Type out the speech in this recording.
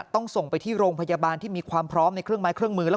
ต้องส่งไปที่โรงพยาบาลที่มีความพร้อมในเครื่องไม้